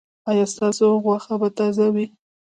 ایا ستاسو غوښه به تازه وي؟